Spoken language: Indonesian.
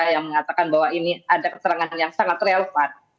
yang mengatakan bahwa ini ada keterangan yang sangat relevan